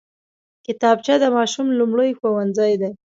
کتابچه د ماشوم لومړی ښوونځی دی